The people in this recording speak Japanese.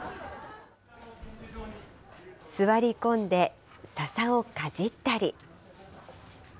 座り込んで、ささをかじったり。